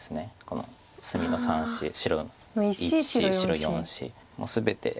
この隅の３子白１子白４子もう全て。